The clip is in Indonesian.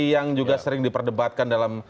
yang juga sering diperdebatkan dalam